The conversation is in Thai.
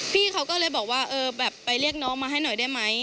พี่เขาก็เลยบอกว่าเออแบบไปเรียกน้องมาให้หน่อยได้ไหม